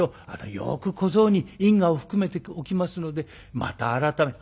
よく小僧に因果を含めておきますのでまた改めて」。